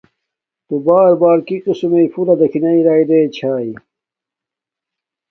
تو بار بار کی قسم میݵ پھولہ دیکھی ناݵ رای رے چھاݵ